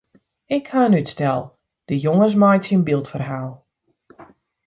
Ik ha in útstel: de jonges meitsje in byldferhaal.